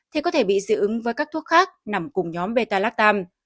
thì có thể bị dị ứng với các thuốc khác nằm cùng nhóm beta lactam